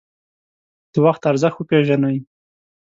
د وخت ارزښت وپیژنئ